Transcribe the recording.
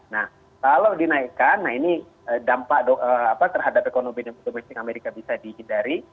nah kalau dinaikkan nah ini dampak terhadap ekonomi domestik amerika bisa dihindari